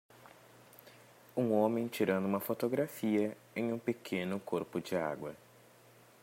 Um homem tirando uma fotografia em um pequeno corpo de água.